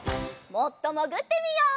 もっともぐってみよう。